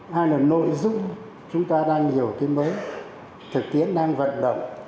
hai là nội dung chúng ta đang hiểu cái mới thực tiến đang vận động